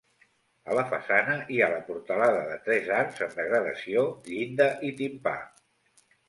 A la façana hi ha la portalada de tres arcs en degradació, llinda i timpà.